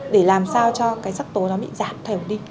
để làm sao cho cái sắc tố nó bị giảm thiểu đi